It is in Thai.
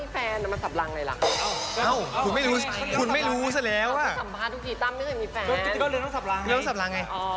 เพราะถ้าตั้มเลยไม่มีแฟน